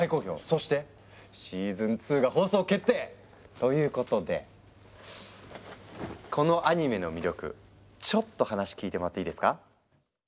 そしてシーズン２が放送決定！ということでこのアニメの魅力ちょっと話聞いてもらっていいですか？